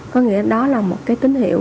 có nghĩa đó là một cái tín hiệu